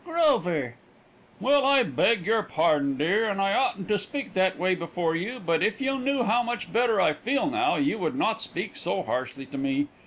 "Grover!" "Well, I beg your pardon, dear, and I oughtn't to speak that way before you, but if you knew how much better I feel now you would not speak so harshly to me.